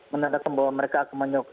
menandatangkan bahwa mereka akan menyongkok